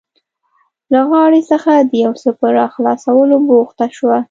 له غاړې څخه د یو څه په راخلاصولو بوخته شوه.